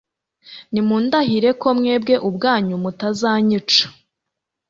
nimundahire ko mwebwe ubwanyu mutazanyica